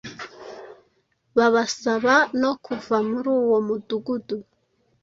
babasaba no kuva muri uwo mudugudu.